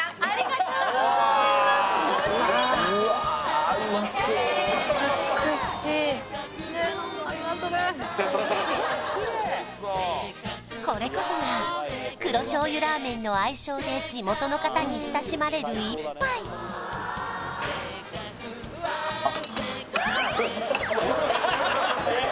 そう美しいこれこそが黒醤油ラーメンの愛称で地元の方に親しまれる一杯ああ